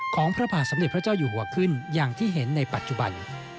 พระบาทสมเด็จพระเจ้าอยู่หัวขึ้นอย่างที่เห็นในปัจจุบัน